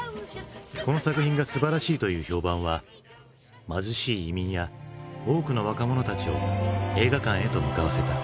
この作品がすばらしいという評判は貧しい移民や多くの若者たちを映画館へと向かわせた。